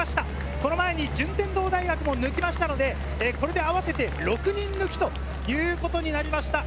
この前に順天堂大学も抜きましたので、これで合わせて６人抜きということになりました。